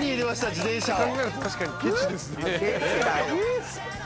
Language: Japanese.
自転車を。